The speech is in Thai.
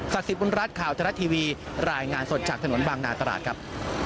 สิทธิบุญรัฐข่าวทรัฐทีวีรายงานสดจากถนนบางนาตราดครับ